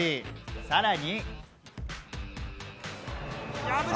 さらに。